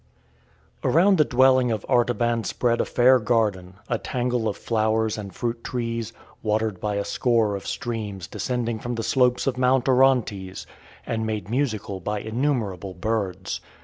Around the dwelling of Artaban spread a fair garden, a tangle of flowers and fruit trees, watered by a score of streams descending from the slopes of Mount Orontes, and made musical by innumerable birds.